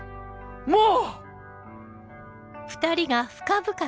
もう！